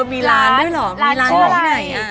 มีร้านด้วยเหรอมีร้านไหนอ่ะ